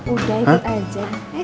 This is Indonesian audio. udah ikut aja